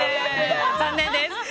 残念です。